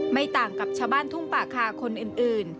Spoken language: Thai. ไม่ต่างกับชาวบ้านทุ่งป่าคาคนอื่น